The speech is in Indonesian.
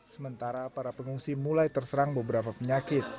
sementara para pengungsi mulai terserang beberapa penyakit